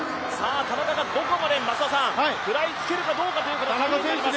田中がどこまで食らいつけるかどうかということになります。